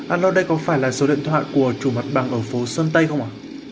alo đây có phải là số điện thoại của chủ mặt bằng ở phố sơn tây không ạ